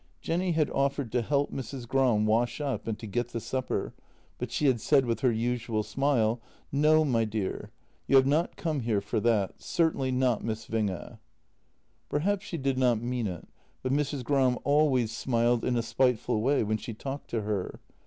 Je nn y had offered to help Mrs. Gram wash up and to get the supper, but she had said, with her usual smile: "No, my dear, you have not come here for that — certainly not, kliss Winge." Perhaps she did not mean it, but Mrs. Gram always smiled in a spiteful way when she talked to her.